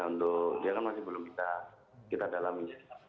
untuk dia kan masih belum kita dalami